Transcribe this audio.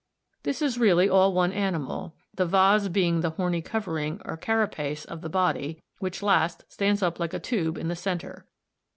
This is really all one animal, the vase hc being the horny covering or carapace of the body, which last stands up like a tube in the centre.